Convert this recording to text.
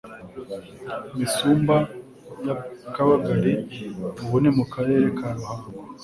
Misumba ya Kabagari ubu ni mu Karere ka Ruhango